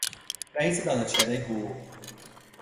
رییس دانشکدهی حقوق